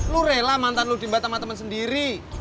lo rela mantan lo di mbak sama temen sendiri